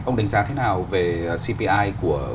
ông đánh giá thế nào về cpi